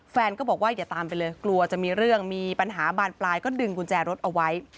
แฟนก็บอกว่าอย่าตามไปเลยกลัวจะมีเรื่องมีปัญหาบานปลายก็ดึงกุญแจรถเอาไว้